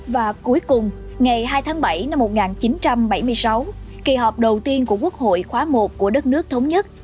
và cuối cùng ngày hai tháng bảy năm một nghìn chín trăm bảy mươi sáu kỳ họp đầu tiên của quốc hội khóa một của đất nước thống nhất